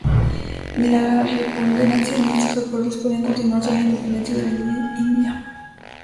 Ni la preponderancia ni estos acuerdos podía continuar tras la independencia de la India.